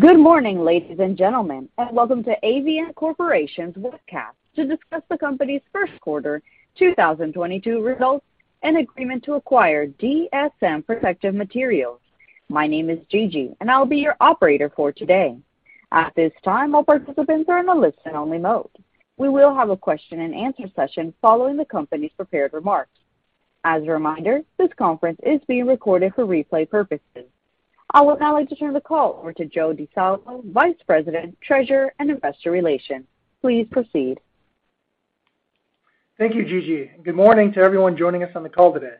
Good morning, ladies and gentlemen, and welcome to Avient Corporation's webcast to discuss the company's first quarter 2022 results and agreement to acquire DSM Protective Materials. My name is Gigi, and I'll be your operator for today. At this time, all participants are in a listen-only mode. We will have a question-and-answer session following the company's prepared remarks. As a reminder, this conference is being recorded for replay purposes. I would now like to turn the call over to Giuseppe Di Salvo, Vice President, Treasurer, and Investor Relations. Please proceed. Thank you, Gigi, and good morning to everyone joining us on the call today.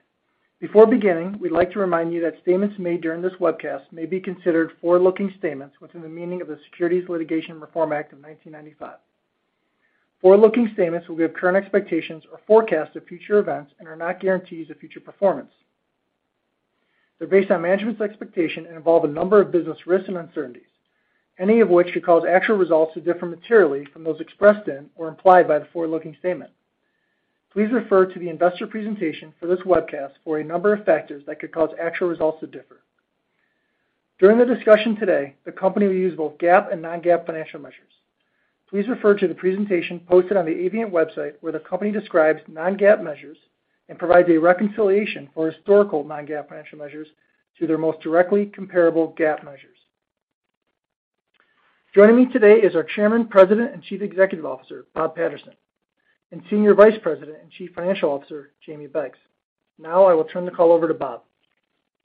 Before beginning, we'd like to remind you that statements made during this webcast may be considered forward-looking statements within the meaning of the Private Securities Litigation Reform Act of 1995. Forward-looking statements will give current expectations or forecasts of future events and are not guarantees of future performance. They're based on management's expectation and involve a number of business risks and uncertainties, any of which could cause actual results to differ materially from those expressed in or implied by the forward-looking statement. Please refer to the investor presentation for this webcast for a number of factors that could cause actual results to differ. During the discussion today, the company will use both GAAP and non-GAAP financial measures. Please refer to the presentation posted on the Avient website, where the company describes non-GAAP measures and provides a reconciliation for historical non-GAAP financial measures to their most directly comparable GAAP measures. Joining me today is our Chairman, President, and Chief Executive Officer, Bob Patterson, and Senior Vice President and Chief Financial Officer, Jamie Beggs. Now I will turn the call over to Bob.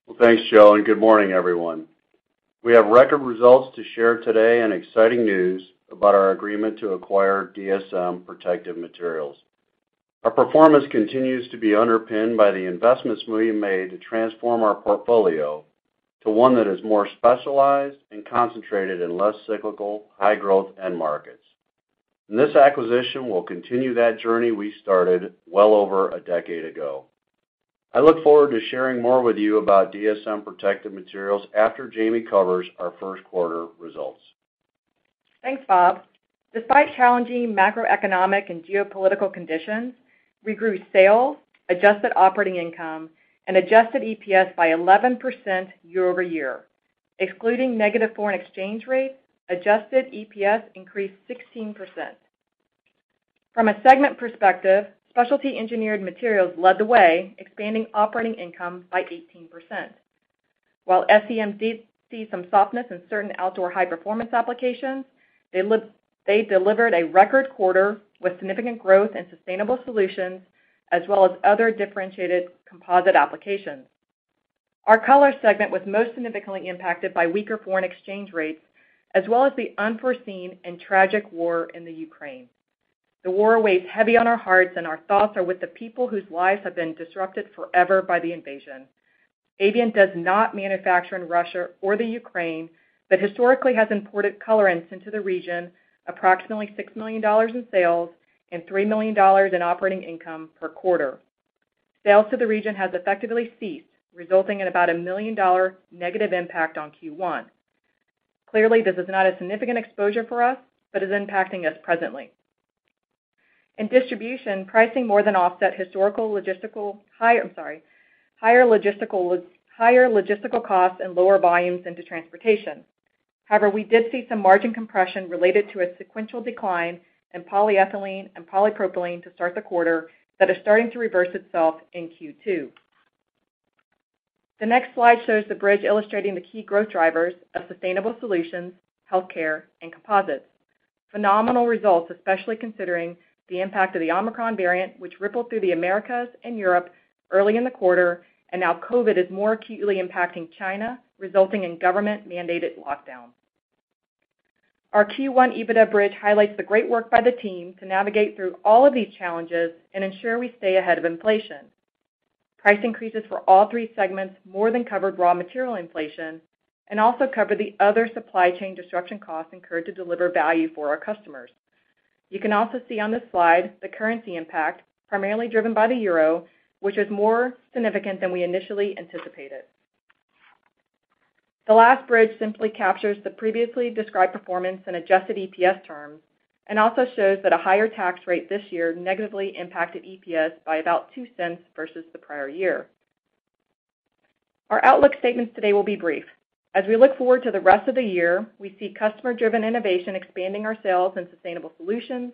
Well, thanks, Joe, and good morning, everyone. We have record results to share today and exciting news about our agreement to acquire DSM Protective Materials. Our performance continues to be underpinned by the investments we made to transform our portfolio to one that is more specialized and concentrated in less cyclical, high-growth end markets. This acquisition will continue that journey we started well over a decade ago. I look forward to sharing more with you about DSM Protective Materials after Jamie covers our first quarter results. Thanks, Bob. Despite challenging macroeconomic and geopolitical conditions, we grew sales, adjusted operating income, and adjusted EPS by 11% year-over-year. Excluding negative foreign exchange rates, adjusted EPS increased 16%. From a segment perspective, Specialty Engineered Materials led the way, expanding operating income by 18%. While SEM did see some softness in certain outdoor high-performance applications, they delivered a record quarter with significant growth in sustainable solutions as well as other differentiated composite applications. Our Color segment was most significantly impacted by weaker foreign exchange rates as well as the unforeseen and tragic war in Ukraine. The war weighs heavy on our hearts, and our thoughts are with the people whose lives have been disrupted forever by the invasion. Avient does not manufacture in Russia or the Ukraine, but historically has imported colorants into the region, approximately $6 million in sales and $3 million in operating income per quarter. Sales to the region has effectively ceased, resulting in about a $1 million negative impact on Q1. Clearly, this is not a significant exposure for us but is impacting us presently. In Distribution, pricing more than offset higher logistical costs and lower volumes into transportation. However, we did see some margin compression related to a sequential decline in polyethylene and polypropylene to start the quarter that is starting to reverse itself in Q2. The next slide shows the bridge illustrating the key growth drivers of sustainable solutions, healthcare, and composites. Phenomenal results, especially considering the impact of the Omicron variant, which rippled through the Americas and Europe early in the quarter, and now COVID is more acutely impacting China, resulting in government-mandated lockdowns. Our Q1 EBITDA bridge highlights the great work by the team to navigate through all of these challenges and ensure we stay ahead of inflation. Price increases for all three segments more than covered raw material inflation and also covered the other supply chain disruption costs incurred to deliver value for our customers. You can also see on this slide the currency impact, primarily driven by the euro, which is more significant than we initially anticipated. The last bridge simply captures the previously described performance in adjusted EPS terms and also shows that a higher tax rate this year negatively impacted EPS by about $0.02 versus the prior year. Our outlook statements today will be brief. As we look forward to the rest of the year, we see customer-driven innovation expanding our sales in sustainable solutions,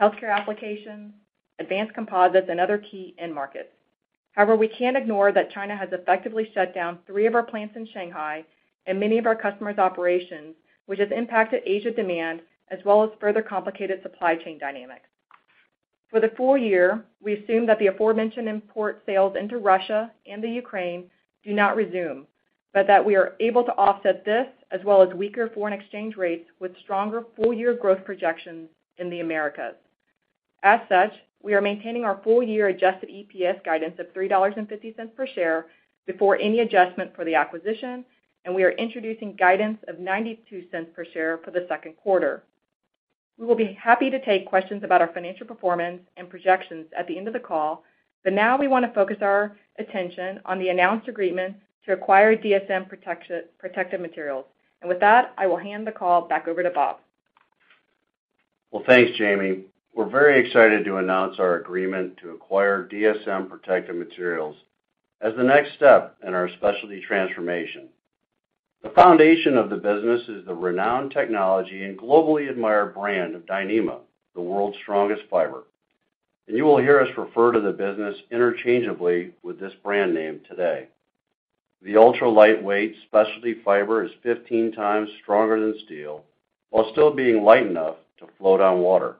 healthcare applications, advanced composites, and other key end markets. However, we can't ignore that China has effectively shut down three of our plants in Shanghai and many of our customers' operations, which has impacted Asia demand as well as further complicated supply chain dynamics. For the full year, we assume that the aforementioned import sales into Russia and the Ukraine do not resume, but that we are able to offset this as well as weaker foreign exchange rates with stronger full-year growth projections in the Americas. As such, we are maintaining our full-year adjusted EPS guidance of $3.50 per share before any adjustment for the acquisition, and we are introducing guidance of $0.92 per share for the second quarter. We will be happy to take questions about our financial performance and projections at the end of the call, but now we want to focus our attention on the announced agreement to acquire DSM Protective Materials. With that, I will hand the call back over to Bob. Well, thanks, Jamie. We're very excited to announce our agreement to acquire DSM Protective Materials as the next step in our specialty transformation. The foundation of the business is the renowned technology and globally admired brand of Dyneema, the world's strongest fiber. You will hear us refer to the business interchangeably with this brand name today. The ultra-lightweight specialty fiber is 15 times stronger than steel, while still being light enough to float on water.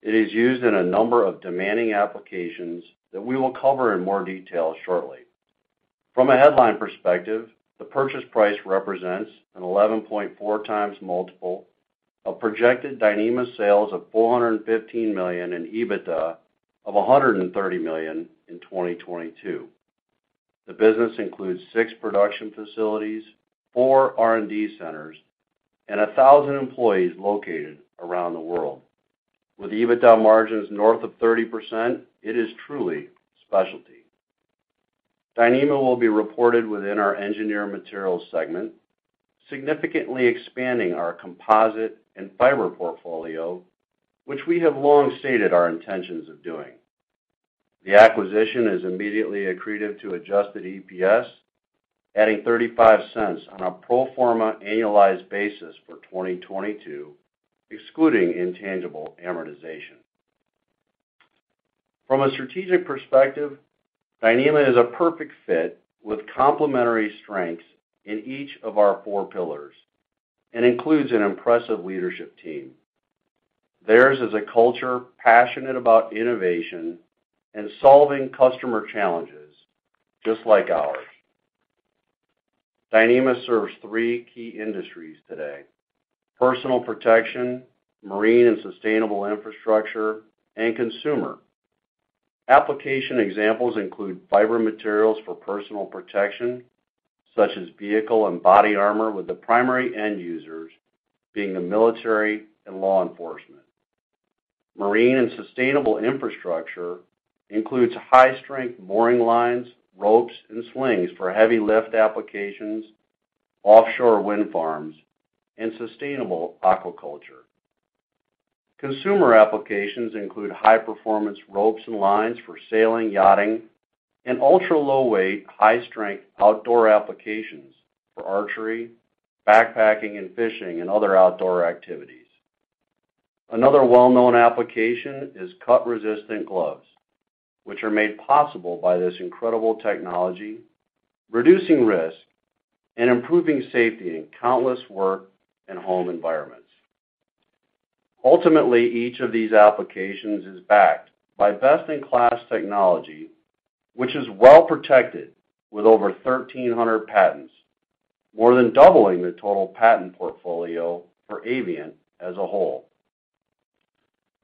It is used in a number of demanding applications that we will cover in more detail shortly. From a headline perspective, the purchase price represents an 11.4x multiple of projected Dyneema sales of $415 million and EBITDA of $130 million in 2022. The business includes six production facilities, four R&D centers, and 1,000 employees located around the world. With EBITDA margins north of 30%, it is truly specialty. Dyneema will be reported within our Specialty Engineered Materials segment, significantly expanding our composite and fiber portfolio, which we have long stated our intentions of doing. The acquisition is immediately accretive to adjusted EPS, adding $0.35 on a pro forma annualized basis for 2022, excluding intangible amortization. From a strategic perspective, Dyneema is a perfect fit with complementary strengths in each of our four pillars and includes an impressive leadership team. Theirs is a culture passionate about innovation and solving customer challenges, just like ours. Dyneema serves three key industries today, personal protection, marine and sustainable infrastructure, and consumer. Application examples include fiber materials for personal protection, such as vehicle and body armor, with the primary end users being the military and law enforcement. Marine and sustainable infrastructure includes high-strength mooring lines, ropes, and slings for heavy lift applications, offshore wind farms, and sustainable aquaculture. Consumer applications include high-performance ropes and lines for sailing, yachting, and ultra-low weight, high-strength outdoor applications for archery, backpacking and fishing, and other outdoor activities. Another well-known application is cut-resistant gloves, which are made possible by this incredible technology, reducing risk and improving safety in countless work and home environments. Ultimately, each of these applications is backed by best-in-class technology, which is well-protected with over 1,300 patents, more than doubling the total patent portfolio for Avient as a whole.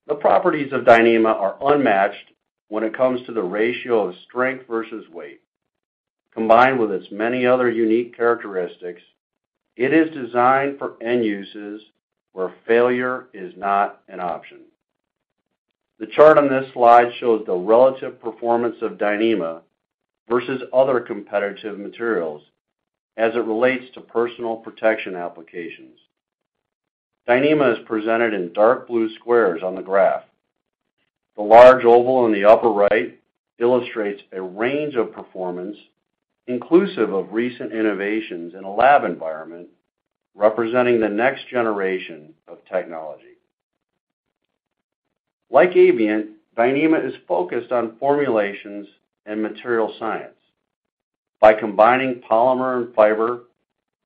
The properties of Dyneema are unmatched when it comes to the ratio of strength versus weight. Combined with its many other unique characteristics, it is designed for end uses where failure is not an option. The chart on this slide shows the relative performance of Dyneema versus other competitive materials as it relates to personal protection applications. Dyneema is presented in dark blue squares on the graph. The large oval in the upper right illustrates a range of performance inclusive of recent innovations in a lab environment representing the next generation of technology. Like Avient, Dyneema is focused on formulations and material science. By combining polymer and fiber,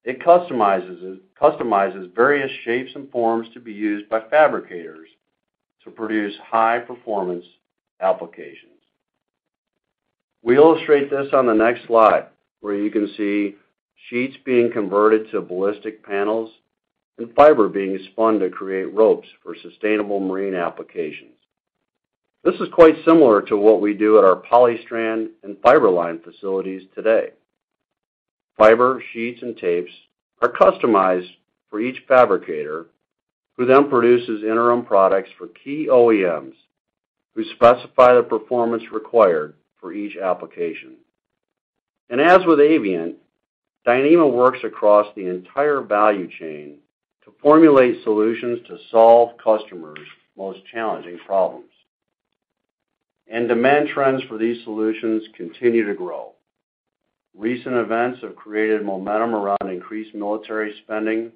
it customizes various shapes and forms to be used by fabricators to produce high-performance applications. We illustrate this on the next slide, where you can see sheets being converted to ballistic panels and fiber being spun to create ropes for sustainable marine applications. This is quite similar to what we do at our Polystrand and Fiber-Line facilities today. Fiber, sheets, and tapes are customized for each fabricator, who then produces interim products for key OEMs who specify the performance required for each application. As with Avient, Dyneema works across the entire value chain to formulate solutions to solve customers' most challenging problems. Demand trends for these solutions continue to grow. Recent events have created momentum around increased military spending,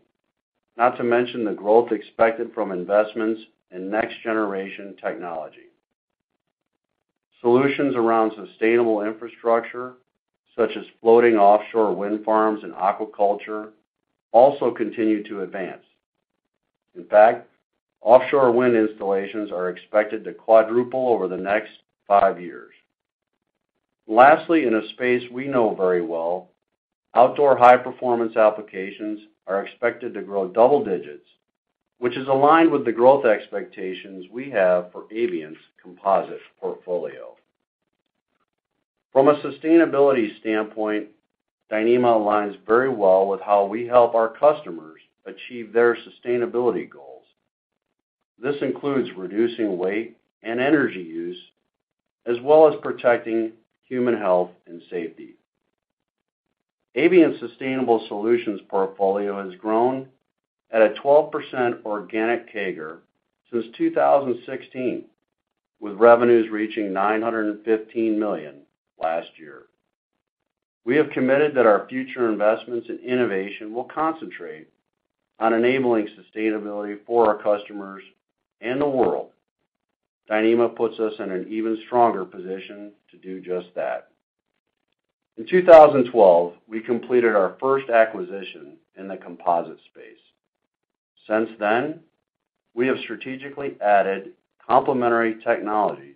not to mention the growth expected from investments in next-generation technology. Solutions around sustainable infrastructure, such as floating offshore wind farms and aquaculture, also continue to advance. In fact, offshore wind installations are expected to quadruple over the next five years. Lastly, in a space we know very well, outdoor high-performance applications are expected to grow double digits, which is aligned with the growth expectations we have for Avient's composite portfolio. From a sustainability standpoint, Dyneema aligns very well with how we help our customers achieve their sustainability goals. This includes reducing weight and energy use, as well as protecting human health and safety. Avient's sustainable solutions portfolio has grown at a 12% organic CAGR since 2016, with revenues reaching $915 million last year. We have committed that our future investments in innovation will concentrate on enabling sustainability for our customers and the world. Dyneema puts us in an even stronger position to do just that. In 2012, we completed our first acquisition in the composite space. Since then, we have strategically added complementary technologies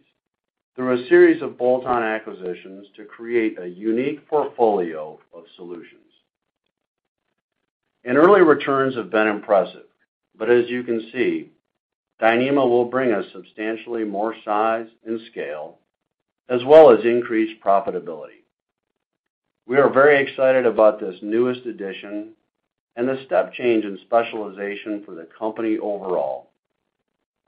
through a series of bolt-on acquisitions to create a unique portfolio of solutions. Early returns have been impressive, but as you can see, Dyneema will bring us substantially more size and scale, as well as increased profitability. We are very excited about this newest addition and the step change in specialization for the company overall.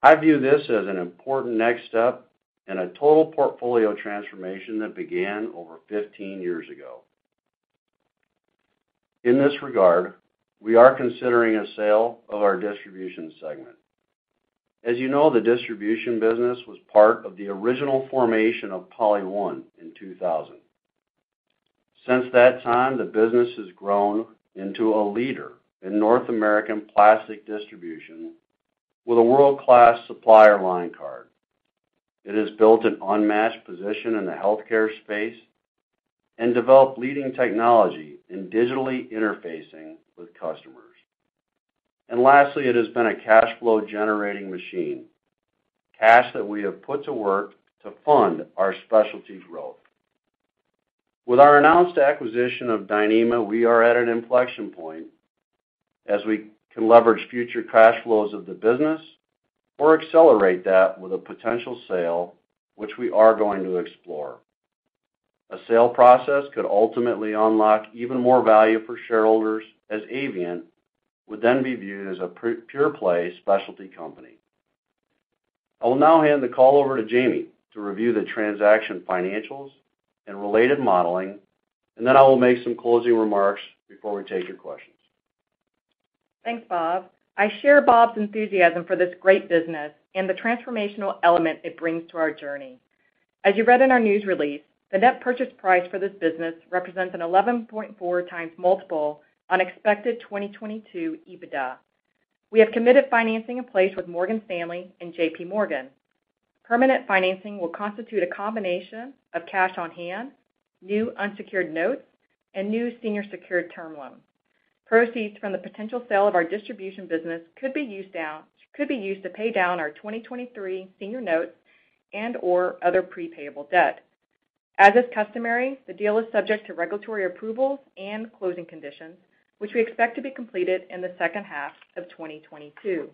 I view this as an important next step in a total portfolio transformation that began over 15 years ago. In this regard, we are considering a sale of our Distribution segment. As you know, the Distribution business was part of the original formation of PolyOne in 2000. Since that time, the business has grown into a leader in North American plastic distribution with a world-class supplier line card. It has built an unmatched position in the healthcare space and developed leading technology in digitally interfacing with customers. Lastly, it has been a cash flow generating machine, cash that we have put to work to fund our specialties growth. With our announced acquisition of Dyneema, we are at an inflection point as we can leverage future cash flows of the business or accelerate that with a potential sale, which we are going to explore. A sale process could ultimately unlock even more value for shareholders as Avient would then be viewed as a pure play specialty company. I will now hand the call over to Jamie to review the transaction financials and related modeling, and then I will make some closing remarks before we take your questions. Thanks, Bob. I share Bob's enthusiasm for this great business and the transformational element it brings to our journey. As you read in our news release, the net purchase price for this business represents an 11.4x multiple on expected 2022 EBITDA. We have committed financing in place with Morgan Stanley and JPMorgan. Permanent financing will constitute a combination of cash on hand, new unsecured notes, and new senior secured term loans. Proceeds from the potential sale of our distribution business could be used to pay down our 2023 senior notes and/or other pre-payable debt. As is customary, the deal is subject to regulatory approvals and closing conditions, which we expect to be completed in the second half of 2022.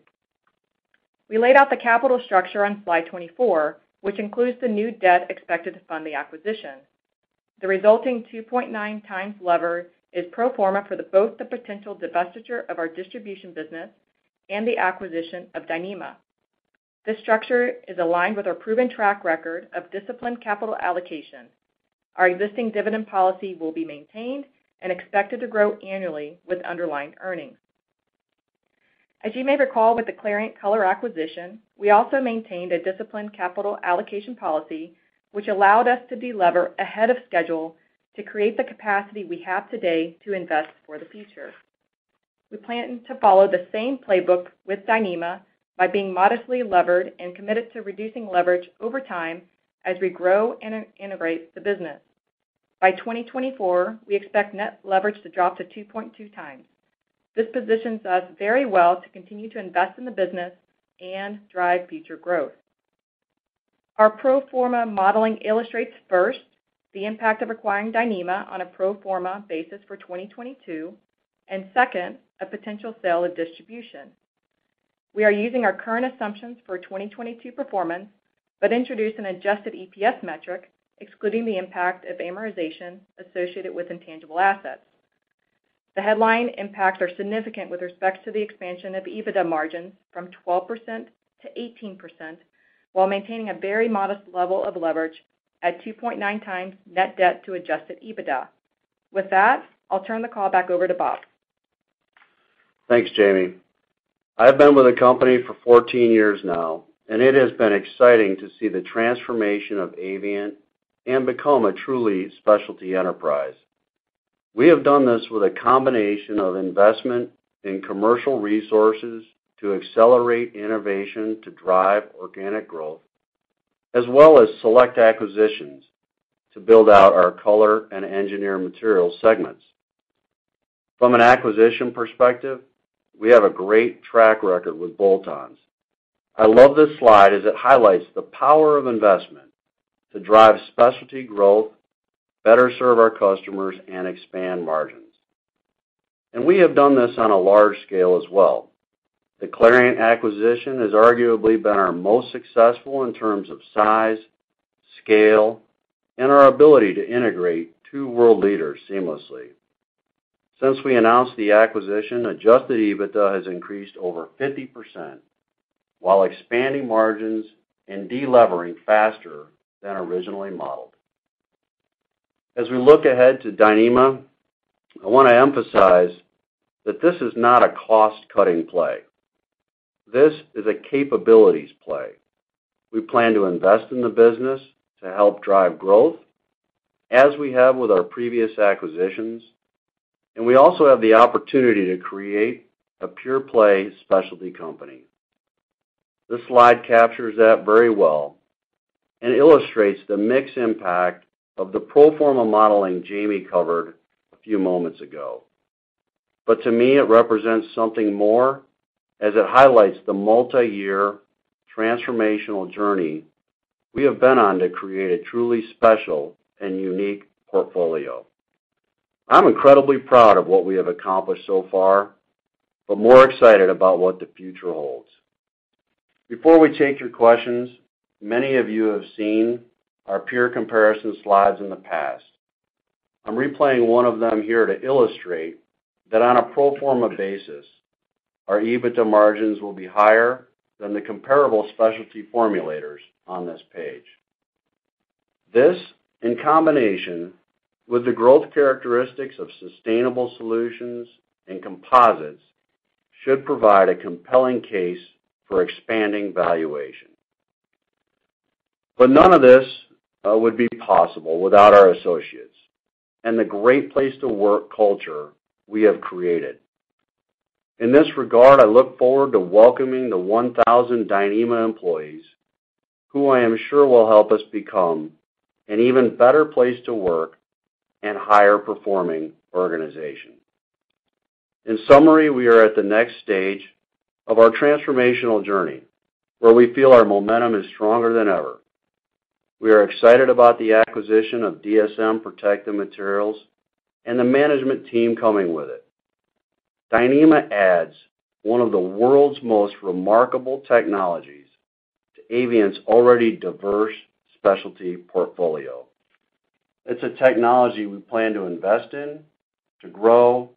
We laid out the capital structure on slide 24, which includes the new debt expected to fund the acquisition. The resulting 2.9x leverage is pro forma for both the potential divestiture of our Distribution business and the acquisition of Dyneema. This structure is aligned with our proven track record of disciplined capital allocation. Our existing dividend policy will be maintained and expected to grow annually with underlying earnings. As you may recall with the Clariant color acquisition, we also maintained a disciplined capital allocation policy, which allowed us to delever ahead of schedule to create the capacity we have today to invest for the future. We plan to follow the same playbook with Dyneema by being modestly levered and committed to reducing leverage over time as we grow and integrate the business. By 2024, we expect net leverage to drop to 2.2x. This positions us very well to continue to invest in the business and drive future growth. Our pro forma modeling illustrates, first, the impact of acquiring Dyneema on a pro forma basis for 2022, and second, a potential sale of Distribution. We are using our current assumptions for 2022 performance, but introduce an adjusted EPS metric, excluding the impact of amortization associated with intangible assets. The headline impacts are significant with respect to the expansion of EBITDA margins from 12%-18%, while maintaining a very modest level of leverage at two point nine times net debt to adjusted EBITDA. With that, I'll turn the call back over to Bob. Thanks, Jamie. I've been with the company for 14 years now, and it has been exciting to see the transformation of Avient and become a truly specialty enterprise. We have done this with a combination of investment in commercial resources to accelerate innovation to drive organic growth, as well as select acquisitions to build out our Color and Engineered Materials segments. From an acquisition perspective, we have a great track record with bolt-ons. I love this slide as it highlights the power of investment to drive specialty growth, better serve our customers, and expand margins. We have done this on a large scale as well. The Clariant acquisition has arguably been our most successful in terms of size, scale, and our ability to integrate two world leaders seamlessly. Since we announced the acquisition, adjusted EBITDA has increased over 50% while expanding margins and de-levering faster than originally modeled. As we look ahead to Dyneema, I want to emphasize that this is not a cost-cutting play. This is a capabilities play. We plan to invest in the business to help drive growth as we have with our previous acquisitions, and we also have the opportunity to create a pure-play specialty company. This slide captures that very well and illustrates the mix impact of the pro forma modeling Jamie covered a few moments ago. To me, it represents something more as it highlights the multiyear transformational journey we have been on to create a truly special and unique portfolio. I'm incredibly proud of what we have accomplished so far, but more excited about what the future holds. Before we take your questions, many of you have seen our peer comparison slides in the past. I'm replaying one of them here to illustrate that on a pro forma basis, our EBITDA margins will be higher than the comparable specialty formulators on this page. This, in combination with the growth characteristics of sustainable solutions and composites, should provide a compelling case for expanding valuation. None of this would be possible without our associates and the great place to work culture we have created. In this regard, I look forward to welcoming the 1,000 Dyneema employees, who I am sure will help us become an even better place to work and higher performing organization. In summary, we are at the next stage of our transformational journey, where we feel our momentum is stronger than ever. We are excited about the acquisition of DSM Protective Materials and the management team coming with it. Dyneema adds one of the world's most remarkable technologies to Avient's already diverse specialty portfolio. It's a technology we plan to invest in, to grow,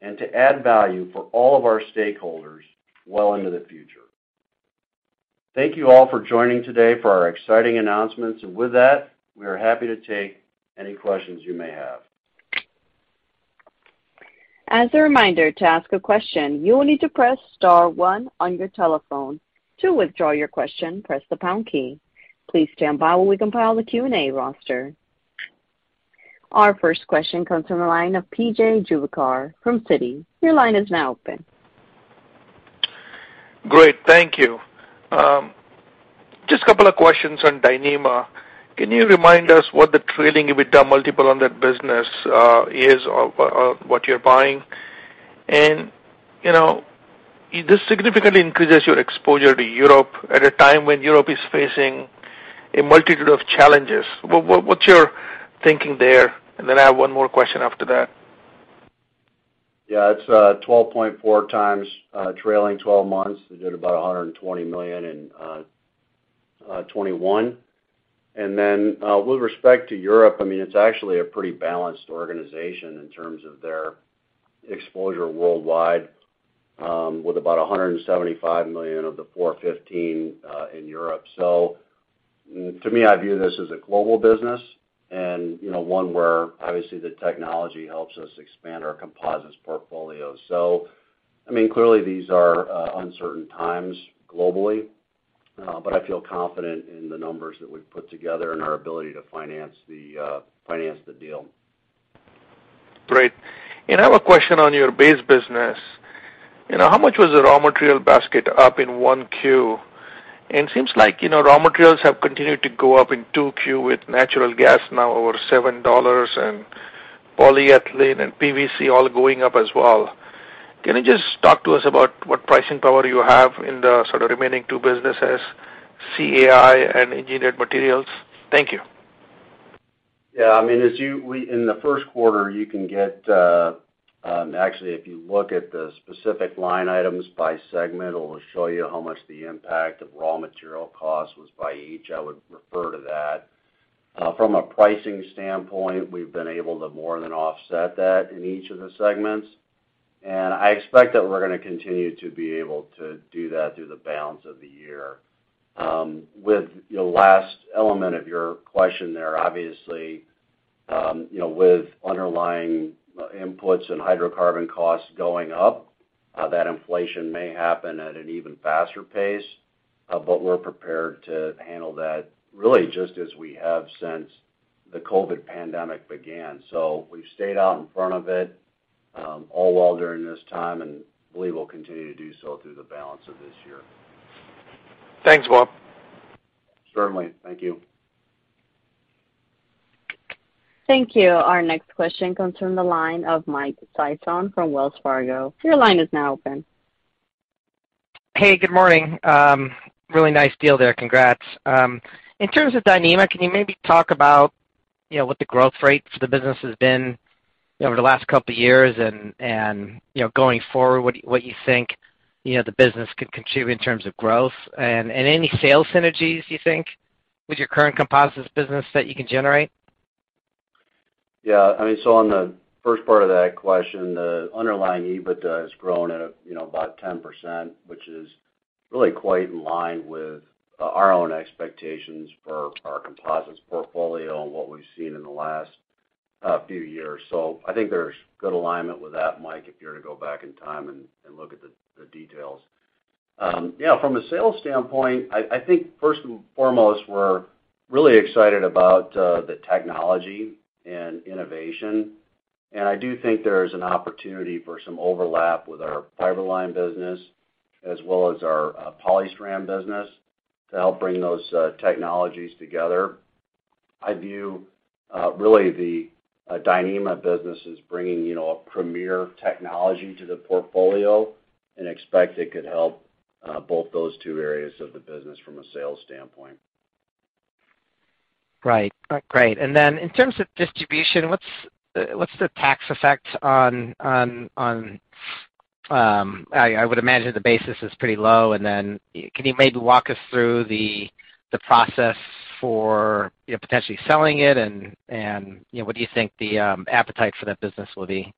and to add value for all of our stakeholders well into the future. Thank you all for joining today for our exciting announcements. With that, we are happy to take any questions you may have. As a reminder, to ask a question, you will need to press star one on your telephone. To withdraw your question, press the pound key. Please stand by while we compile the Q&A roster. Our first question comes from the line of P.J. Juvekar from Citi. Your line is now open. Great. Thank you. Just a couple of questions on Dyneema. Can you remind us what the trailing EBITDA multiple on that business is or what you're buying? You know, this significantly increases your exposure to Europe at a time when Europe is facing a multitude of challenges. What's your thinking there? Then I have one more question after that. Yeah. It's 12.4x trailing twelve months. We did about $120 million in 2021. With respect to Europe, I mean, it's actually a pretty balanced organization in terms of their exposure worldwide, with about $175 million of the $415 in Europe. To me, I view this as a global business and, you know, one where obviously the technology helps us expand our composites portfolio. I mean, clearly these are uncertain times globally, but I feel confident in the numbers that we've put together and our ability to finance the deal. Great. I have a on your base business. You know, how much was the raw material basket up in 1Q? It seems like, you know, raw materials have continued to go up in 2Q with natural gas now over $7 and polyethylene and PVC all going up as well. Can you just talk to us about what pricing power you have in the sort of remaining two businesses, CAI and engineered materials? Thank you. Yeah. I mean, in the first quarter, you can get, actually, if you look at the specific line items by segment, it'll show you how much the impact of raw material costs was by each. I would refer to that. From a pricing standpoint, we've been able to more than offset that in each of the segments. I expect that we're gonna continue to be able to do that through the balance of the year. With your last element of your question there, obviously, you know, with underlying inputs and hydrocarbon costs going up, that inflation may happen at an even faster pace, but we're prepared to handle that really just as we have since the COVID pandemic began. We've stayed out in front of it all the while during this time, and believe we'll continue to do so through the balance of this year. Thanks, Bob. Certainly. Thank you. Thank you. Our next question comes from the line of Michael Sison from Wells Fargo. Your line is now open. Hey, good morning. Really nice deal there. Congrats. In terms of Dyneema, can you maybe talk about, you know, what the growth rate for the business has been over the last couple of years and, you know, going forward, what you think, you know, the business could contribute in terms of growth? Any sales synergies you think with your current composites business that you can generate? Yeah. I mean, on the first part of that question, the underlying EBITDA has grown at, you know, about 10%, which is really quite in line with our own expectations for our composites portfolio and what we've seen in the last few years. I think there's good alignment with that, Mike, if you were to go back in time and look at the details. Yeah, from a sales standpoint, I think first and foremost, we're really excited about the technology and innovation. I do think there is an opportunity for some overlap with our business as well as our Polystrand business to help bring those technologies together. I view, really, the Dyneema business as bringing, you know, a premier technology to the portfolio and expect it could help both those two areas of the business from a sales standpoint. Right. Great. In terms of Distribution, what's the tax effect? I would imagine the basis is pretty low. Can you maybe walk us through the process for, you know, potentially selling it and, you know, what do you think the appetite for that business will be?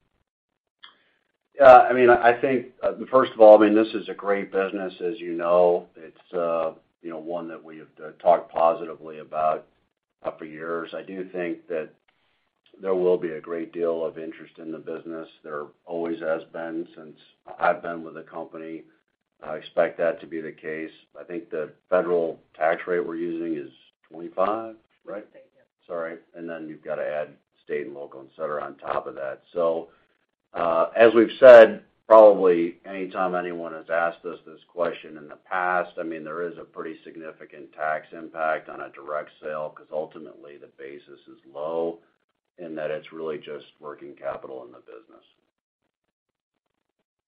Yeah. I mean, I think, first of all, I mean, this is a great business, as you know. It's, you know, one that we have talked positively about for years. I do think that there will be a great deal of interest in the business. There always has been since I've been with the company. I expect that to be the case. I think the federal tax rate we're using is 25%, right? I think, yeah. That's all right. Then you've got to add state and local, et cetera, on top of that. As we've said, probably anytime anyone has asked us this question in the past, I mean, there is a pretty significant tax impact on a direct sale because ultimately the basis is low and that it's really just working capital in the business.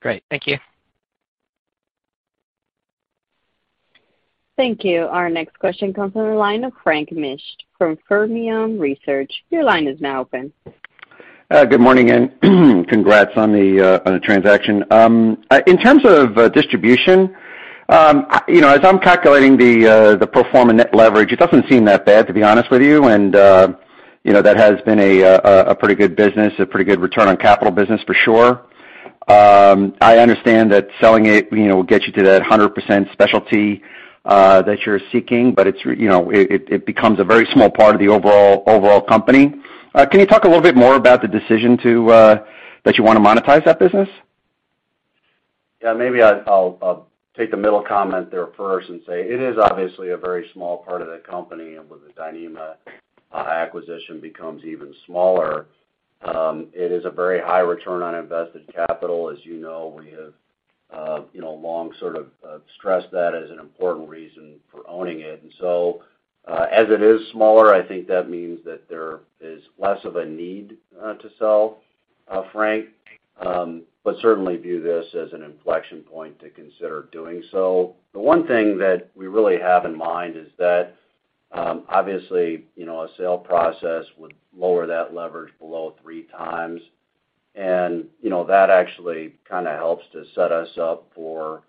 Great. Thank you. Thank you. Our next question comes from the line of Frank Mitsch from Fermium Research. Your line is now open. Good morning, and congrats on the transaction. In terms of Distribution, you know, as I'm calculating the pro forma net leverage, it doesn't seem that bad, to be honest with you. You know, that has been a pretty good business, a pretty good return on capital business for sure. I understand that selling it, you know, will get you to that 100% specialty that you're seeking, but it's, you know, it becomes a very small part of the overall company. Can you talk a little bit more about the decision that you wanna monetize that business? Yeah, maybe I'll take the middle comment there first and say it is obviously a very small part of the company, and with the Dyneema acquisition becomes even smaller. It is a very high return on invested capital. As you know, we have long stressed that as an important reason for owning it. As it is smaller, I think that means that there is less of a need to sell, Frank. But certainly view this as an inflection point to consider doing so. The one thing that we really have in mind is that, obviously, you know, a sale process would lower that leverage below 3x. You know, that actually kinda helps to set us up for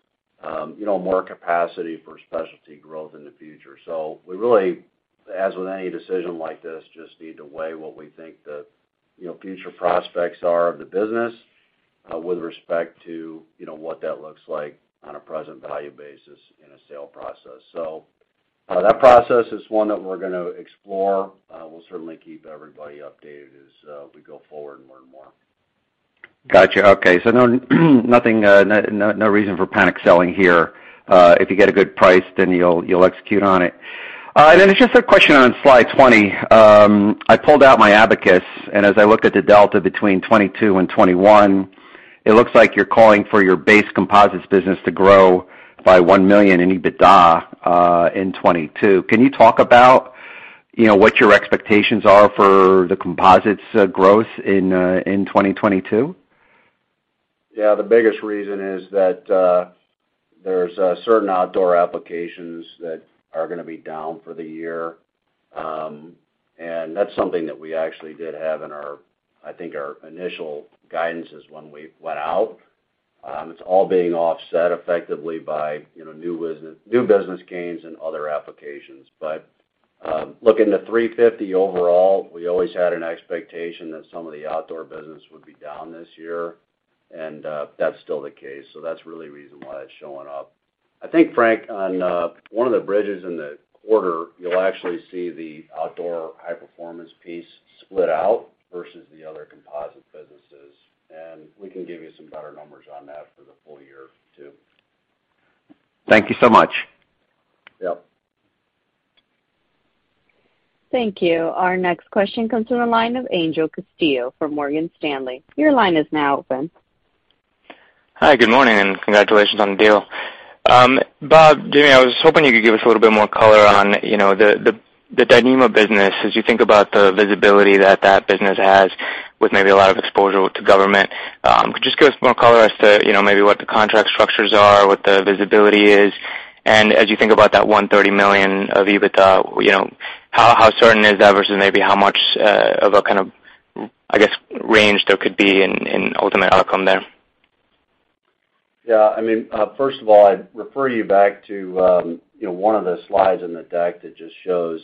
more capacity for specialty growth in the future. We really, as with any decision like this, just need to weigh what we think the, you know, future prospects are of the business, with respect to, you know, what that looks like on a present value basis in a sale process. That process is one that we're gonna explore. We'll certainly keep everybody updated as we go forward and learn more. Gotcha. Okay. No, nothing, no reason for panic selling here. If you get a good price, then you'll execute on it. All right. Then it's just a question on slide 20. I pulled out my abacus, and as I look at the delta between 2022 and 2021, it looks like you're calling for your base composites business to grow by $1 million in EBITDA in 2022. Can you talk about, you know, what your expectations are for the composites growth in 2022? Yeah. The biggest reason is that, there's certain outdoor applications that are gonna be down for the year. That's something that we actually did have in our initial guidances when we went out. It's all being offset effectively by, you know, new business, new business gains and other applications. Looking at the 350 overall, we always had an expectation that some of the outdoor business would be down this year, and that's still the case. That's really the reason why it's showing up. I think, Frank, on one of the bridges in the quarter, you'll actually see the outdoor high-performance piece split out versus the other composite businesses, and we can give you some better numbers on that for the full year too. Thank you so much. Yep. Thank you. Our next question comes from the line of Angel Castillo from Morgan Stanley. Your line is now open. Hi, good morning, and congratulations on the deal. Bob, Jamie, I was hoping you could give us a little bit more color on, you know, the Dyneema business as you think about the visibility that that business has with maybe a lot of exposure to government. Could you just give us more color as to, you know, maybe what the contract structures are, what the visibility is? As you think about that $130 million of EBITDA, you know, how certain is that versus maybe how much of a kind of, I guess, range there could be in ultimate outcome there? Yeah. I mean, first of all, I'd refer you back to, you know, one of the slides in the deck that just shows,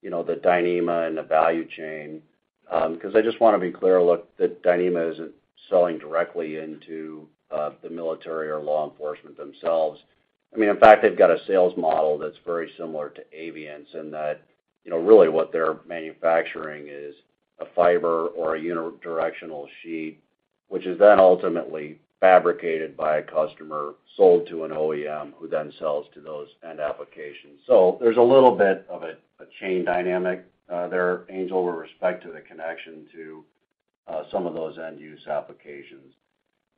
you know, the Dyneema and the value chain. Because I just want to be clear, look, that Dyneema isn't selling directly into the military or law enforcement themselves. I mean, in fact, they've got a sales model that's very similar to Avient in that, you know, really what they're manufacturing is a fiber or a unidirectional sheet, which is then ultimately fabricated by a customer, sold to an OEM, who then sells to those end applications. There's a little bit of a chain dynamic there, Angel, with respect to the connection to some of those end-use applications.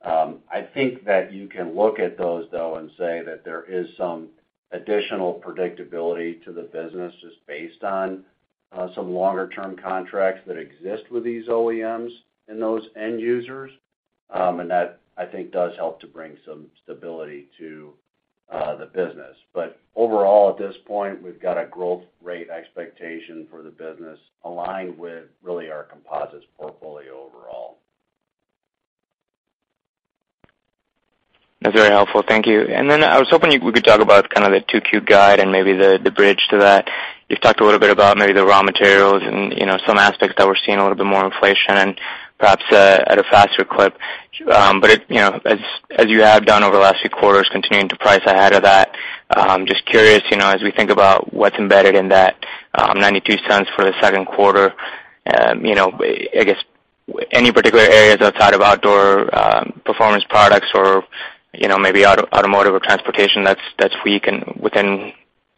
I think that you can look at those though and say that there is some additional predictability to the business just based on some longer-term contracts that exist with these OEMs and those end users. That I think does help to bring some stability to the business. Overall, at this point, we've got a growth rate expectation for the business aligned with really our composites portfolio overall. That's very helpful. Thank you. I was hoping you could talk about kind of the Q2 guide and maybe the bridge to that. You've talked a little bit about maybe the raw materials and, you know, some aspects that we're seeing a little bit more inflation and perhaps at a faster clip. But if, you know, as you have done over the last few quarters, continuing to price ahead of that, just curious, you know, as we think about what's embedded in that $0.92 for the second quarter, you know, I guess any particular areas outside of outdoor performance products or, you know, maybe automotive or transportation that's weak and within,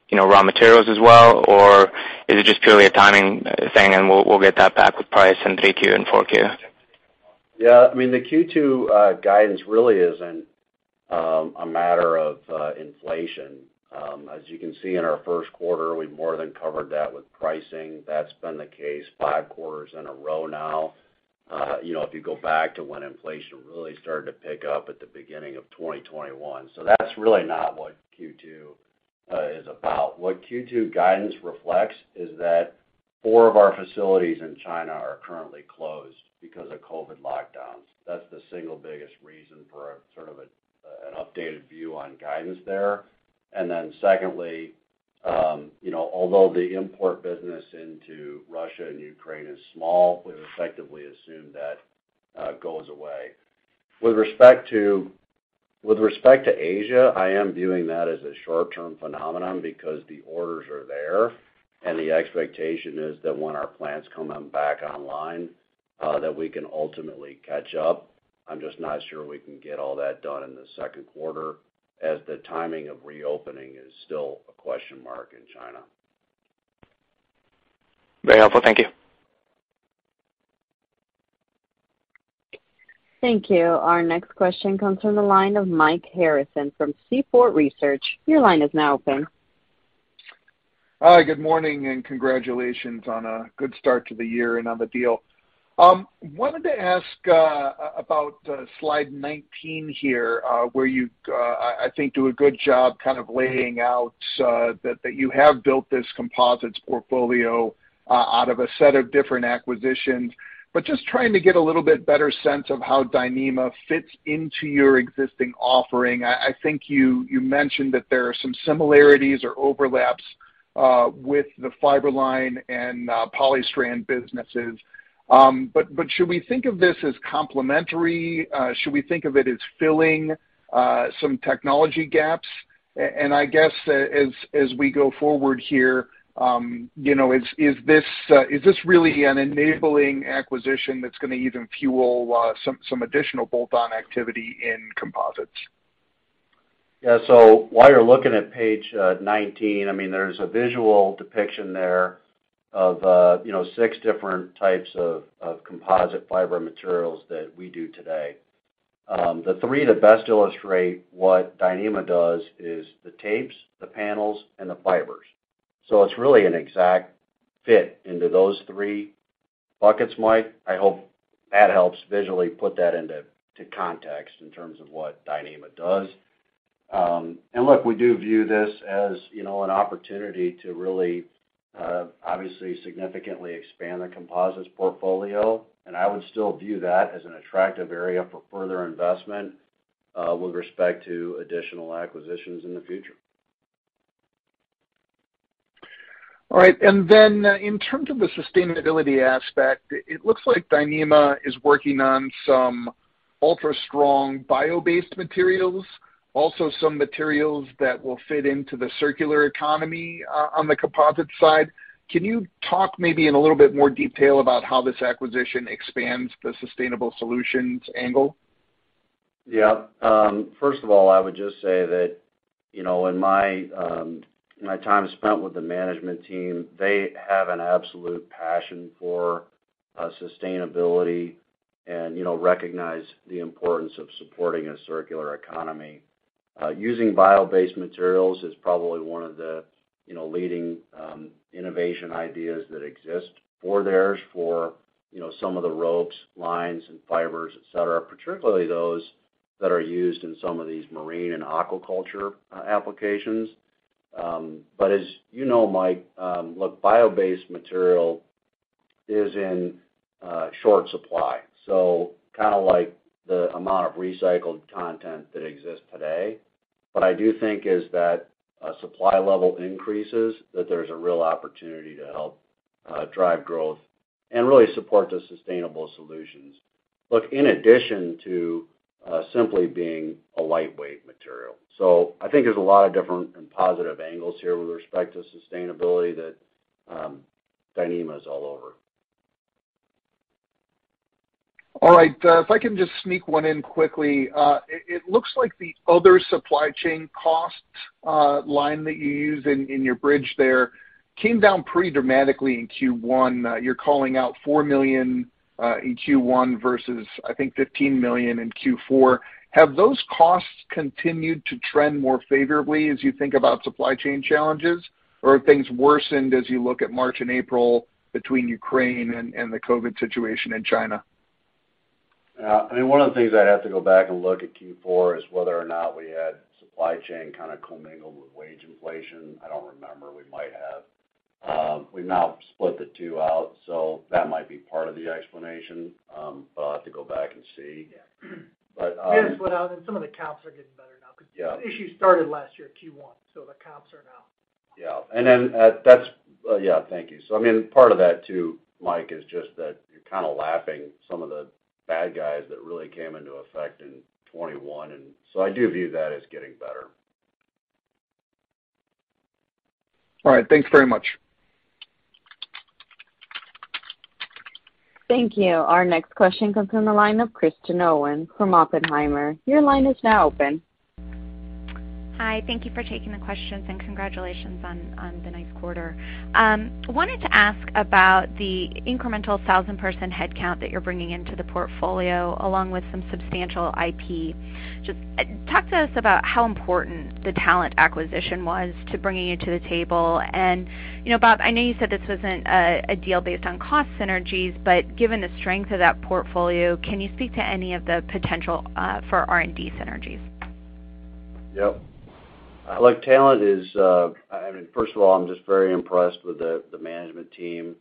you know, raw materials as well? Is it just purely a timing thing, and we'll get that back with price in 3Q and 4Q? Yeah. I mean, the Q2 guidance really isn't a matter of inflation. As you can see in our first quarter, we more than covered that with pricing. That's been the case five quarters in a row now, you know, if you go back to when inflation really started to pick up at the beginning of 2021. That's really not what Q2 is about. What Q2 guidance reflects is that four of our facilities in China are currently closed because of COVID lockdowns. That's the single biggest reason for a sort of an updated view on guidance there. Then secondly, you know, although the import business into Russia and Ukraine is small, we've effectively assumed that goes away. With respect to Asia, I am viewing that as a short-term phenomenon because the orders are there, and the expectation is that when our plants come back online, that we can ultimately catch up. I'm just not sure we can get all that done in the second quarter, as the timing of reopening is still a question mark in China. Very helpful. Thank you. Thank you. Our next question comes from the line of Mike Harrison from Seaport Research Partners. Your line is now open. Hi, good morning, and congratulations on a good start to the year and on the deal. Wanted to ask about slide 19 here, where I think you do a good job kind of laying out that you have built this composites portfolio out of a set of different acquisitions. Just trying to get a little bit better sense of how Dyneema fits into your existing offering. I think you mentioned that there are some similarities or overlaps with the Fiber-Line and Polystrand businesses. Should we think of this as complementary? Should we think of it as filling some technology gaps? I guess as we go forward here, you know, is this really an enabling acquisition that's gonna even fuel some additional bolt-on activity in composites? Yeah. While you're looking at page 19, I mean, there's a visual depiction there of you know, six different types of composite fiber materials that we do today. The three that best illustrate what Dyneema does is the tapes, the panels, and the fibers. It's really an exact fit into those three buckets, Mike. I hope that helps visually put that into context in terms of what Dyneema does. Look, we do view this as you know, an opportunity to really obviously significantly expand the composites portfolio, and I would still view that as an attractive area for further investment with respect to additional acquisitions in the future. All right. In terms of the sustainability aspect, it looks like Dyneema is working on some ultra-strong bio-based materials, also some materials that will fit into the circular economy, on the composite side. Can you talk maybe in a little bit more detail about how this acquisition expands the sustainable solutions angle? Yeah. First of all, I would just say that, you know, in my time spent with the management team, they have an absolute passion for sustainability and, you know, recognize the importance of supporting a circular economy. Using bio-based materials is probably one of the, you know, leading innovation ideas that exist for theirs for you know some of the ropes, lines, and fibers, et cetera, particularly those that are used in some of these marine and aquaculture applications. But as you know, Mike, look, bio-based material is in short supply, so kinda like the amount of recycled content that exists today. What I do think is that as supply level increases, that there's a real opportunity to help drive growth and really support the sustainable solutions. Look, in addition to simply being a lightweight material. I think there's a lot of different and positive angles here with respect to sustainability that Dyneema is all over. All right. If I can just sneak one in quickly. It looks like the other supply chain costs line that you use in your bridge there came down pretty dramatically in Q1. You're calling out $4 million in Q1 versus, I think, $15 million in Q4. Have those costs continued to trend more favorably as you think about supply chain challenges, or have things worsened as you look at March and April between Ukraine and the COVID situation in China? Yeah. I mean, one of the things I'd have to go back and look at Q4 is whether or not we had supply chain kind of commingled with wage inflation. I don't remember. We might have. We've now split the two out, so that might be part of the explanation. I'll have to go back and see. Yeah. But, um- We have split out, and some of the comps are getting better now 'cause. Yeah The issue started last year, Q1, so the comps are now. I mean, part of that too, Mike, is just that you're kinda lapping some of the bad guys that really came into effect in 2021. I do view that as getting better. All right. Thanks very much. Thank you. Our next question comes from the line of Kristen Owen from Oppenheimer. Your line is now open. Hi. Thank you for taking the questions, and congratulations on the nice quarter. Wanted to ask about the incremental 1,000-person headcount that you're bringing into the portfolio, along with some substantial IP. Just talk to us about how important the talent acquisition was to bringing it to the table. You know, Bob, I know you said this wasn't a deal based on cost synergies, but given the strength of that portfolio, can you speak to any of the potential for R&D synergies? Yep. Look, talent is. I mean, first of all, I'm just very impressed with the management team,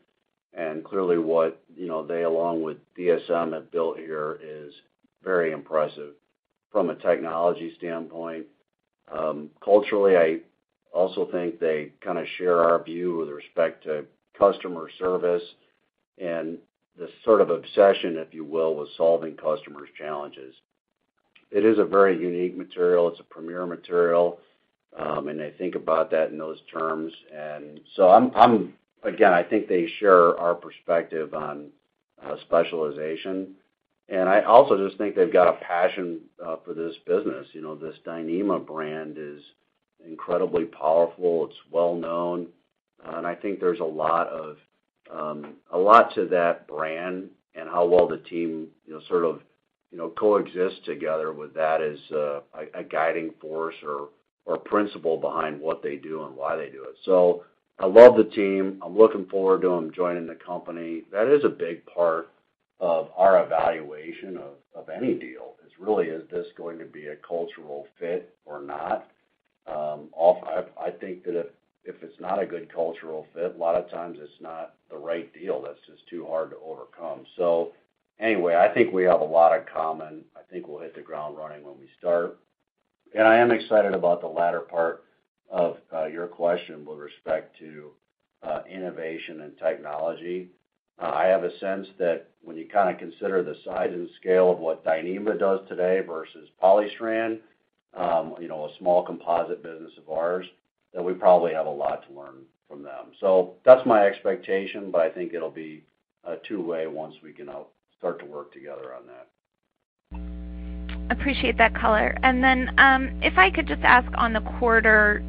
and clearly what, you know, they, along with DSM, have built here is very impressive from a technology standpoint. Culturally, I also think they kinda share our view with respect to customer service and the sort of obsession, if you will, with solving customers' challenges. It is a very unique material. It's a premier material, and they think about that in those terms. I'm again, I think they share our perspective on specialization. I also just think they've got a passion for this business. You know, this Dyneema brand is incredibly powerful. It's well-known. I think there's a lot to that brand and how well the team, you know, sort of, you know, coexist together with that as a guiding force or principle behind what they do and why they do it. I love the team. I'm looking forward to them joining the company. That is a big part of our evaluation of any deal, is really, is this going to be a cultural fit or not? I think that if it's not a good cultural fit, a lot of times it's not the right deal. That's just too hard to overcome. Anyway, I think we have a lot in common. I think we'll hit the ground running when we start. I am excited about the latter part of your question with respect to innovation and technology. I have a sense that when you kinda consider the size and scale of what Dyneema does today versus Polystrand, you know, a small composite business of ours, that we probably have a lot to learn from them. That's my expectation, but I think it'll be a two-way once we can help start to work together on that. Appreciate that color. Then, if I could just ask on the quarter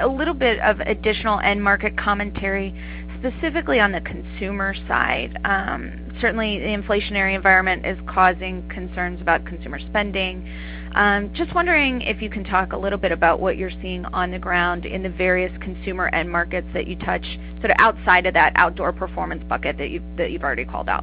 a little bit of additional end market commentary, specifically on the consumer side. Certainly the inflationary environment is causing concerns about consumer spending. Just wondering if you can talk a little bit about what you're seeing on the ground in the various consumer end markets that you touch, sort of outside of that outdoor performance bucket that you've already called out.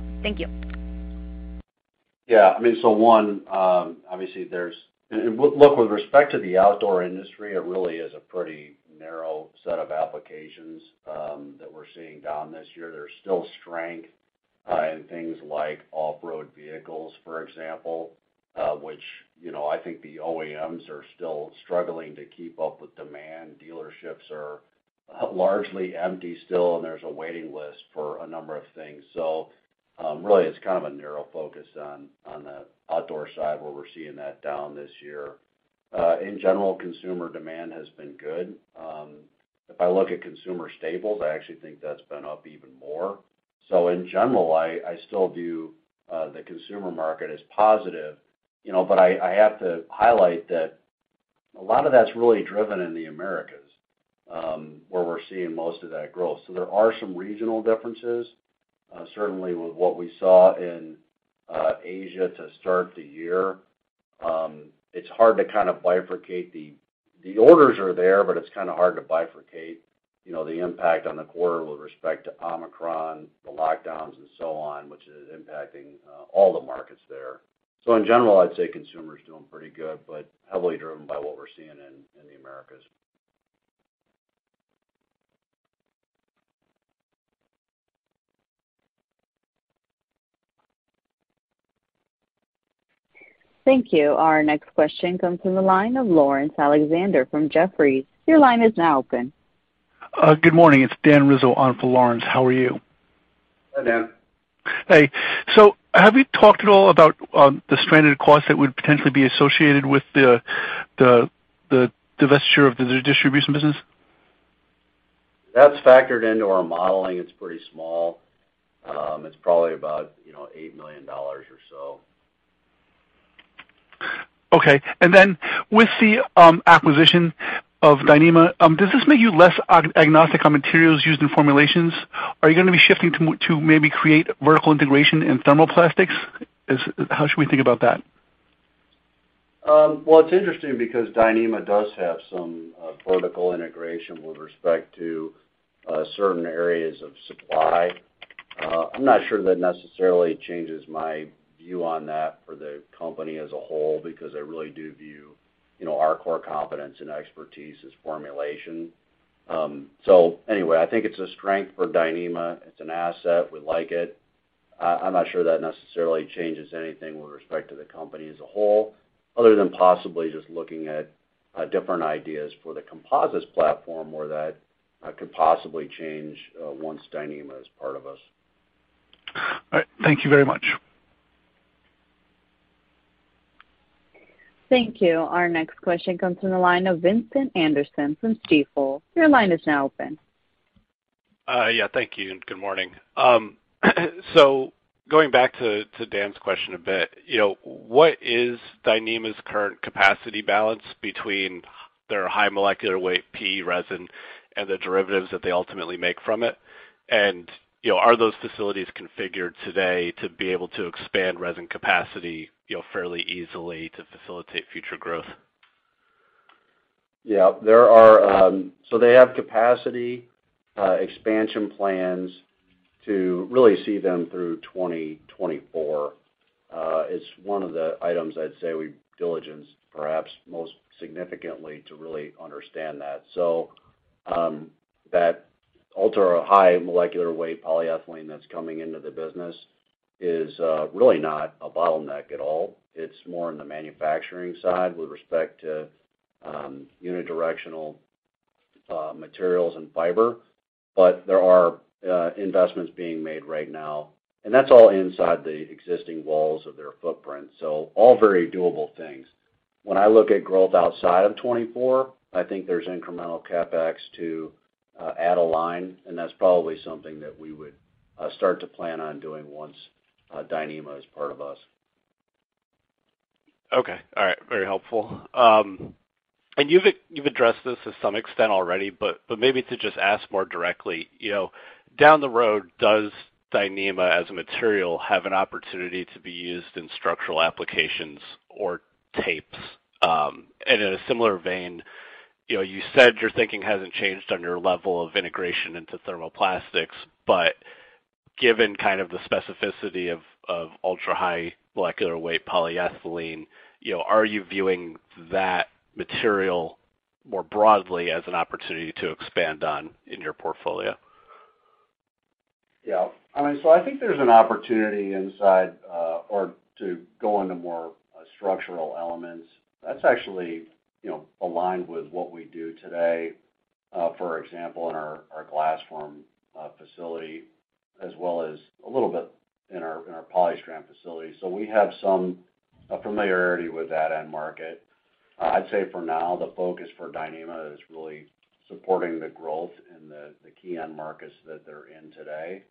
Thank you. Yeah, I mean, look, with respect to the outdoor industry, it really is a pretty narrow set of applications that we're seeing down this year. There's still strength in things like off-road vehicles, for example, which, you know, I think the OEMs are still struggling to keep up with demand. Dealerships are largely empty still, and there's a waiting list for a number of things. Really, it's kind of a narrow focus on the outdoor side where we're seeing that down this year. In general, consumer demand has been good. If I look at consumer staples, I actually think that's been up even more. In general, I still view the consumer market as positive. You know, I have to highlight that a lot of that's really driven in the Americas, where we're seeing most of that growth. There are some regional differences. Certainly with what we saw in Asia to start the year, the orders are there, but it's kind of hard to bifurcate, you know, the impact on the quarter with respect to Omicron, the lockdowns and so on, which is impacting all the markets there. In general, I'd say consumer is doing pretty good, but heavily driven by what we're seeing in the Americas. Thank you. Our next question comes from the line of Laurence Alexander from Jefferies. Your line is now open. Good morning. It's Daniel Rizzo on for Laurence. How are you? Hi, Dan. Hey. Have you talked at all about the stranded costs that would potentially be associated with the divestiture of the Distribution business? That's factored into our modeling. It's pretty small. It's probably about, you know, $8 million or so. Okay. With the acquisition of Dyneema, does this make you less agnostic on materials used in formulations? Are you gonna be shifting to maybe create vertical integration in thermoplastics? How should we think about that? Well, it's interesting because Dyneema does have some vertical integration with respect to certain areas of supply. I'm not sure that necessarily changes my view on that for the company as a whole, because I really do view, you know, our core competence and expertise as formulation. Anyway, I think it's a strength for Dyneema. It's an asset. We like it. I'm not sure that necessarily changes anything with respect to the company as a whole, other than possibly just looking at different ideas for the composites platform where that could possibly change once Dyneema is part of us. All right. Thank you very much. Thank you. Our next question comes from the line of Vincent Anderson from Stifel. Your line is now open. Yeah, thank you, and good morning. So going back to Dan's question a bit, you know, what is Dyneema's current capacity balance between their high molecular weight PE resin and the derivatives that they ultimately make from it? You know, are those facilities configured today to be able to expand resin capacity, you know, fairly easily to facilitate future growth? Yeah. There are. They have capacity expansion plans to really see them through 2024. It's one of the items I'd say we diligenced perhaps most significantly to really understand that. That ultra-high-molecular-weight polyethylene that's coming into the business is really not a bottleneck at all. It's more in the manufacturing side with respect to unidirectional materials and fiber. But there are investments being made right now, and that's all inside the existing walls of their footprint, so all very doable things. When I look at growth outside of 2024, I think there's incremental CapEx to add a line, and that's probably something that we would start to plan on doing once Dyneema is part of us. Okay. All right. Very helpful. You've addressed this to some extent already, but maybe to just ask more directly, you know, down the road, does Dyneema as a material have an opportunity to be used in structural applications or tapes? In a similar vein, you know, you said your thinking hasn't changed on your level of integration into thermoplastics, but given kind of the specificity of ultra-high-molecular-weight polyethylene, you know, are you viewing that material more broadly as an opportunity to expand on in your portfolio? Yeah. I mean, I think there's an opportunity inside or to go into more structural elements. That's actually, you know, aligned with what we do today, for example, in our Glasforms facility, as well as a little bit in our Polystrand facility. We have some familiarity with that end market. I'd say for now, the focus for Dyneema is really supporting the growth in the key end markets that they're in today.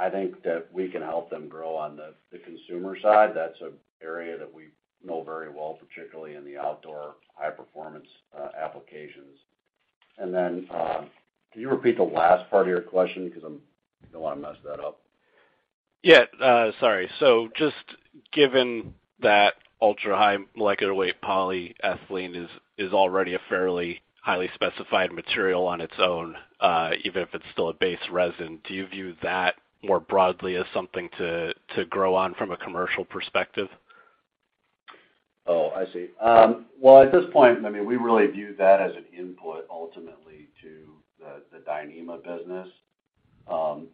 I think that we can help them grow on the consumer side. That's an area that we know very well, particularly in the outdoor high performance applications. Can you repeat the last part of your question? 'Cause I don't wanna mess that up. Just given that ultra-high-molecular-weight polyethylene is already a fairly highly specified material on its own, even if it's still a base resin, do you view that more broadly as something to grow on from a commercial perspective? Oh, I see. Well, at this point, I mean, we really view that as an input ultimately to the Dyneema business.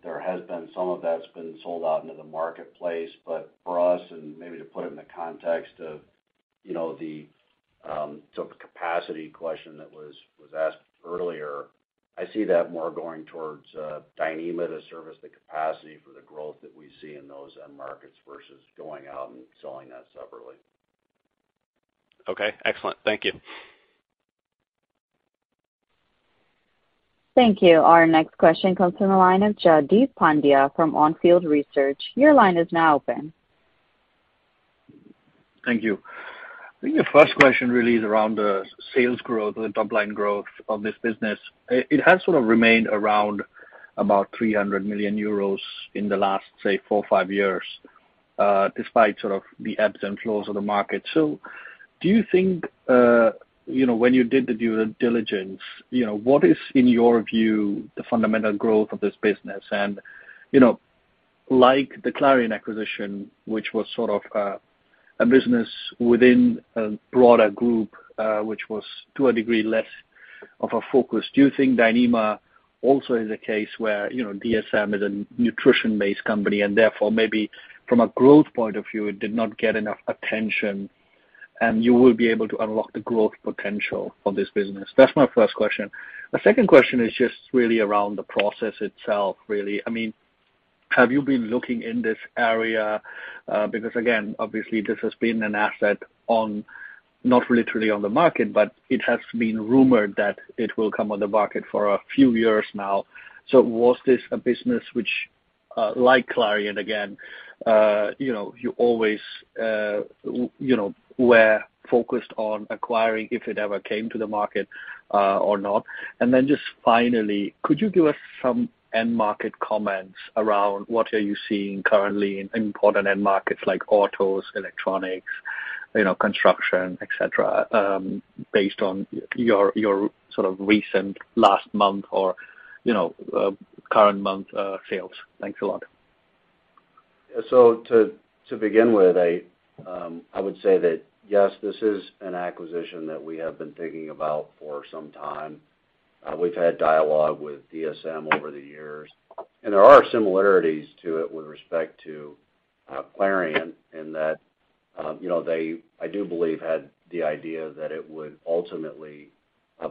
There has been some of that's been sold out into the marketplace, but for us, and maybe to put it in the context of, you know, the sort of capacity question that was asked earlier, I see that more going towards Dyneema to service the capacity for the growth that we see in those end markets versus going out and selling that separately. Okay. Excellent. Thank you. Thank you. Our next question comes from the line of Jaideep Pandya from On Field Research. Your line is now open. Thank you. I think the first question really is around the sales growth or the top line growth of this business. It has sort of remained around about 300 million euros in the last, say, four or five years, despite sort of the ebbs and flows of the market. Do you think, you know, when you did the due diligence, you know, what is, in your view, the fundamental growth of this business? You know, like the Clariant acquisition, which was sort of, a business within a broader group, which was to a degree, less of a focus, do you think Dyneema also is a case where, you know, DSM is a nutrition-based company and therefore maybe from a growth point of view, it did not get enough attention, and you will be able to unlock the growth potential for this business? That's my first question. My second question is just really around the process itself, really. I mean, have you been looking in this area? Because again, obviously this has been an asset on, not literally on the market, but it has been rumored that it will come on the market for a few years now. So was this a business which, like Clariant, again, you know, you always, you know, were focused on acquiring if it ever came to the market, or not? Just finally, could you give us some end market comments around what are you seeing currently in important end markets like autos, electronics, you know, construction, et cetera, based on your sort of recent last month or, you know, current month, sales? Thanks a lot. To begin with, I would say that yes, this is an acquisition that we have been thinking about for some time. We've had dialogue with DSM over the years, and there are similarities to it with respect to Clariant in that you know, they, I do believe had the idea that it would ultimately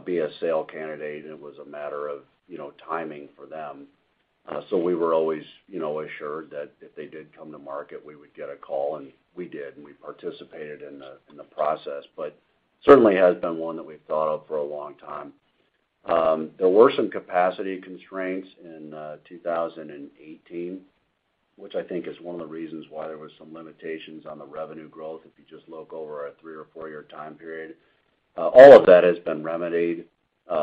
be a sale candidate and it was a matter of you know, timing for them. We were always you know, assured that if they did come to market, we would get a call, and we did, and we participated in the process. Certainly has been one that we've thought of for a long time. There were some capacity constraints in 2018, which I think is one of the reasons why there was some limitations on the revenue growth, if you just look over a three- or four-year time period. All of that has been remedied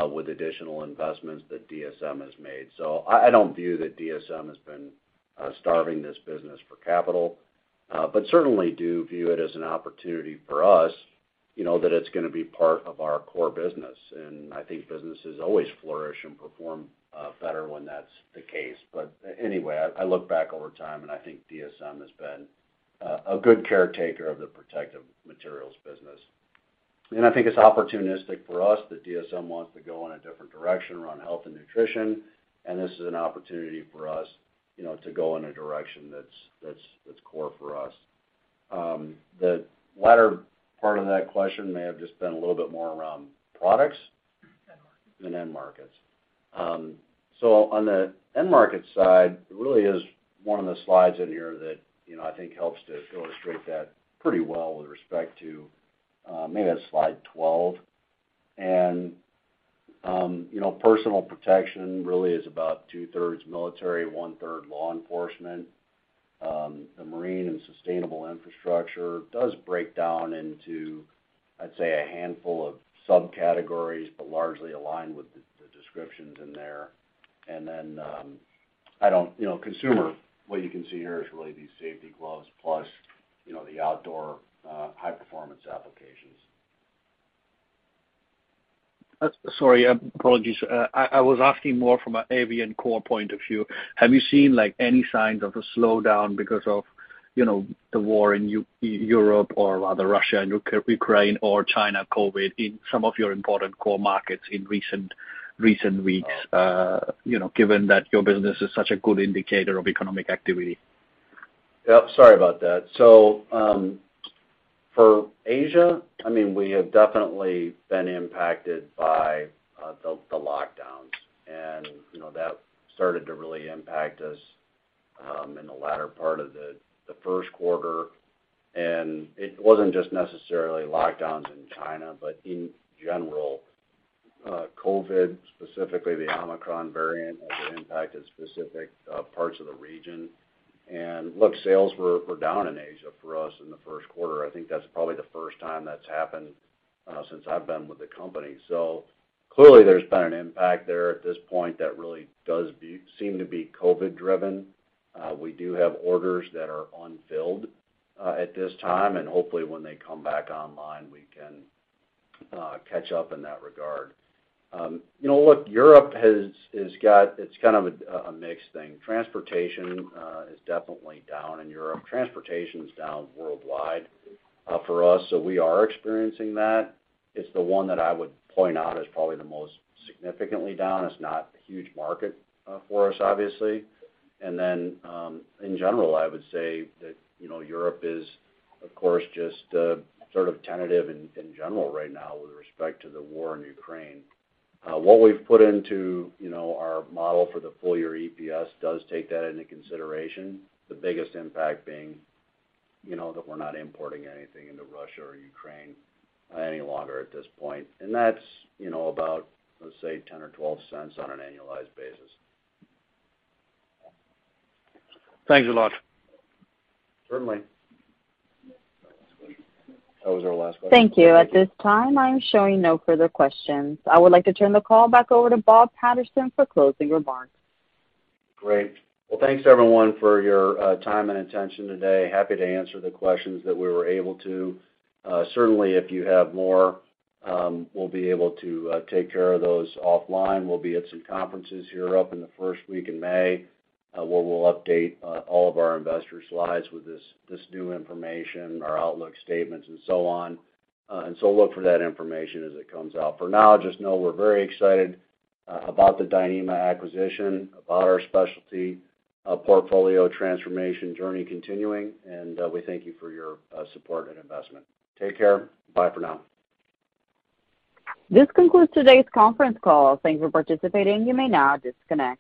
with additional investments that DSM has made. I don't view that DSM has been starving this business for capital, but certainly do view it as an opportunity for us, you know, that it's gonna be part of our core business. I think businesses always flourish and perform better when that's the case. Anyway, I look back over time and I think DSM has been a good caretaker of the Protective Materials business. I think it's opportunistic for us that DSM wants to go in a different direction around health and nutrition, and this is an opportunity for us, you know, to go in a direction that's core for us. The latter part of that question may have just been a little bit more around products- End markets. End markets. So on the end market side, there really is one of the slides in here that, you know, I think helps to illustrate that pretty well with respect to, maybe on slide 12. You know, personal protection really is about two-thirds military, one-third law enforcement. The marine and sustainable infrastructure does break down into, I'd say, a handful of subcategories, but largely aligned with the descriptions in there. Then, you know, consumer, what you can see here is really these safety gloves plus, you know, the outdoor, high performance applications. Sorry, apologies. I was asking more from an Avient core point of view. Have you seen like any signs of the slowdown because of, you know, the war in Europe or rather Russia and Ukraine or China COVID in some of your important core markets in recent weeks, you know, given that your business is such a good indicator of economic activity? Yep, sorry about that. For Asia, I mean, we have definitely been impacted by the lockdowns. You know, that started to really impact us in the latter part of the first quarter. It wasn't just necessarily lockdowns in China, but in general, COVID, specifically the Omicron variant, has impacted specific parts of the region. Look, sales were down in Asia for us in the first quarter. I think that's probably the first time that's happened since I've been with the company. Clearly, there's been an impact there at this point that really does seem to be COVID-driven. We do have orders that are unfilled at this time, and hopefully when they come back online, we can catch up in that regard. You know, look, Europe it's kind of a mixed thing. Transportation is definitely down in Europe. Transportation is down worldwide for us, so we are experiencing that. It's the one that I would point out as probably the most significantly down. It's not a huge market for us, obviously. In general, I would say that you know, Europe is, of course, just sort of tentative in general right now with respect to the war in Ukraine. What we've put into you know, our model for the full year EPS does take that into consideration, the biggest impact being you know, that we're not importing anything into Russia or Ukraine any longer at this point. That's you know, about, let's say, $0.10-$0.12 on an annualized basis. Thanks a lot. Certainly. That was our last question. Thank you. At this time, I'm showing no further questions. I would like to turn the call back over to Bob Patterson for closing remarks. Great. Well, thanks everyone for your time and attention today. Happy to answer the questions that we were able to. Certainly, if you have more, we'll be able to take care of those offline. We'll be at some conferences here up in the first week in May, where we'll update all of our investor slides with this new information, our outlook statements and so on. Look for that information as it comes out. For now, just know we're very excited about the Dyneema acquisition, about our specialty portfolio transformation journey continuing, and we thank you for your support and investment. Take care. Bye for now. This concludes today's conference call. Thank you for participating. You may now disconnect.